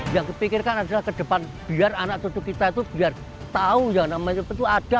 yang kepikirkan adalah ke depan biar anak cucu kita itu biar tahu yang namanya itu ada